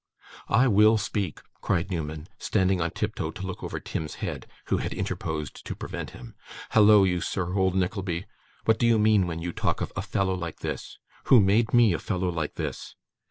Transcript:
'I WILL speak,' cried Newman, standing on tiptoe to look over Tim's head, who had interposed to prevent him. 'Hallo, you sir old Nickleby! what do you mean when you talk of "a fellow like this"? Who made me "a fellow like this"?